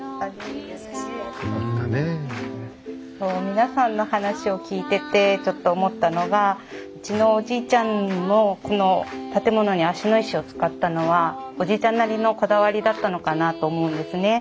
皆さんの話を聞いててちょっと思ったのがうちのおじいちゃんもこの建物に芦野石を使ったのはおじいちゃんなりのこだわりだったのかなと思うんですね。